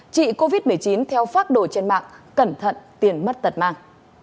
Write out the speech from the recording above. trị covid một mươi chín theo phác đồ trên mạng cẩn thận tiền mất tật mang